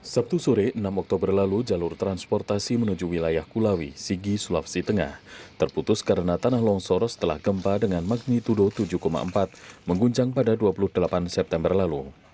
sabtu sore enam oktober lalu jalur transportasi menuju wilayah kulawi sigi sulawesi tengah terputus karena tanah longsor setelah gempa dengan magnitudo tujuh empat mengguncang pada dua puluh delapan september lalu